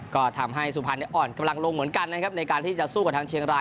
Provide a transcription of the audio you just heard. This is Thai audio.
ก็ทำให้สุพรรณอ่อนกำลังลงเหมือนกันนะครับในการที่จะสู้กับทางเชียงราย